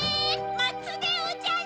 まつでおじゃる！